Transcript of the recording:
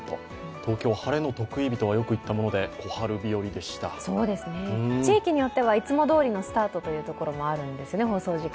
東京、晴れの特異日とよく言ったもので地域によってはいつもどおりのスタートというところもあるんですね、放送時間。